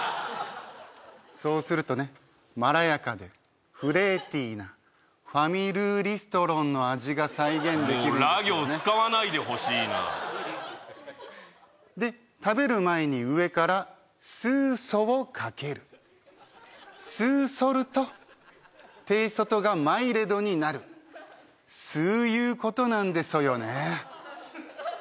そうするとねまらやかでフレーティーなファミルーリストロンの味が再現できるんですよねもうラ行使わないでほしいなで食べる前に上からスーソをかけるすうそるとテーソトがマイレドになるすうゆうことなんでそよね